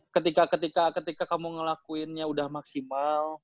ketika ketika kamu ngelakuinnya udah maksimal